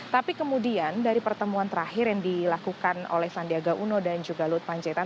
tapi kemudian dari pertemuan terakhir yang dilakukan oleh sandiaga uno dan juga lut panjaitan